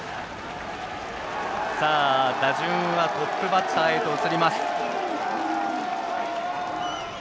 打順はトップバッターへと移ります。